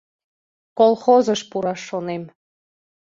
Колхозыш пураш шонем.